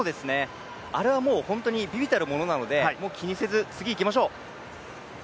あれは微々たるものなので、気にせず次にいきましょう。